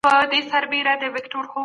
خپل مالونه په پټو ګودامونو کي مه ساتئ.